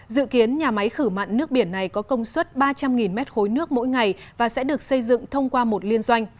dự kiến nhà máy khử mặn nước biển này có công suất ba trăm linh m ba nước mỗi ngày và sẽ được xây dựng thông qua một liên doanh